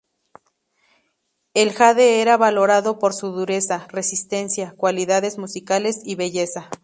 El jade era valorado por su dureza, resistencia, cualidades musicales, y belleza.